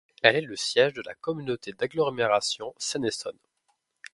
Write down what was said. Elle est le siège de la communauté d'agglomération Seine-Essonne.